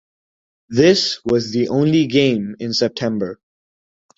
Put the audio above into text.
This was the only game in September.